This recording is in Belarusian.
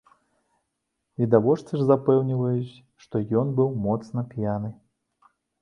Відавочцы ж запэўніваюць, што ён быў моцна п'яны.